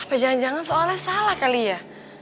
oh jangan jangan soalnya salah kali ya